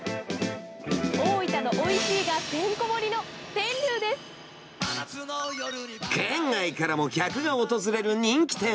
大分のおいしいがてんこ盛り県外からも客が訪れる人気店。